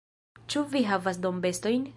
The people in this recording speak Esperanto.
Ĉu vi havas dombestojn?